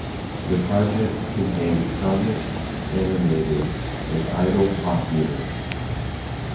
The project contained comic, animated, and idol pop units.